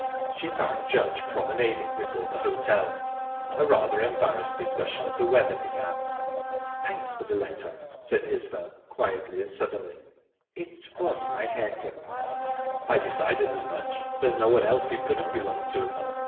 She found Judge promenading before the hotel. A rather embarrassed discussion of the weather began. "Thanks for the letter!" said Isbel, quietly and suddenly. "It was my hairpin." "I decided as much; there's no one else it could have belonged to."